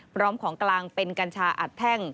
พร้อมของกลางเป็นกัญชาอัดแท่ง